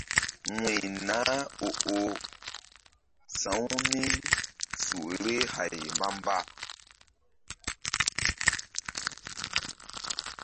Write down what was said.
Wuy nah o-oh sa̧wu mí su vbeh hay mbamba.